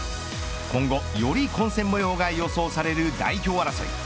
今後、より混戦模様が予想される代表争い。